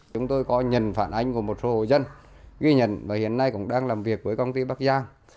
chúng tôi có nhận phản ánh của một số hồ dân ghi nhận và hiện nay cũng đang làm việc với công ty bắc giang